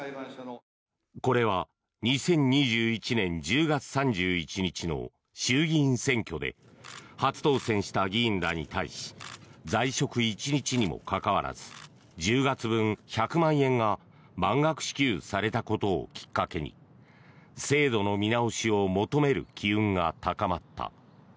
これは２０２１年１０月の衆議院選挙で初当選した議員らに対し在職１日にもかかわらず１０月分１００万円が満額支給されたことをきっかけに制度の見直しを求める機運が高まった。